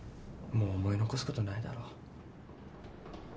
もう思い残すことないだろ。